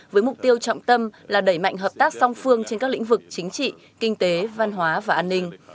với mục tiêu trọng tâm là đẩy mạnh hợp tác song phương trên các lĩnh vực chính trị kinh tế văn hóa và an ninh